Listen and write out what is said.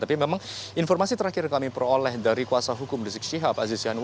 tapi memang informasi terakhir kami peroleh dari kuasa kesehatan